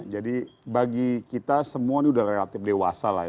jadi bagi kita semua ini sudah relatif dewasa